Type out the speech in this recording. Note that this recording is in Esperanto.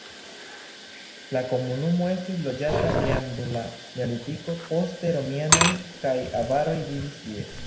La komunumo estis loĝata jam dum la neolitiko, poste romianoj kaj avaroj vivis tie.